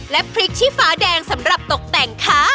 และพริกชีฟ้าแดงสำหรับตกแต่งค่ะ